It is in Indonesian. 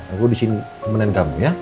aku di sini temenin kamu ya